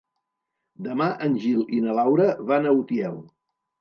Demà en Gil i na Laura van a Utiel.